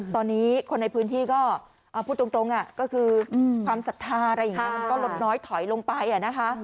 ตอนนี้คนในพื้นที่ก็พูดตรงก็คือความศรัทธาอะไรอย่างนี้มันก็ลดน้อยถอยลงไปนะคะ